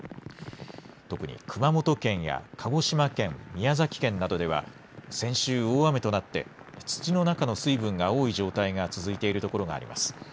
特に熊本県や鹿児島県、宮崎県などでは先週、大雨となって土の中の水分が多い状態が続いているところがあります。